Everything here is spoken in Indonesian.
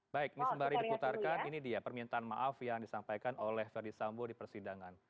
baik ini sembari dikutarkan ini dia permintaan maaf yang disampaikan oleh verisambo di persidangan